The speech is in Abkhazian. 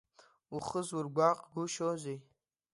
Ухы зургәаҟгәышьозеи?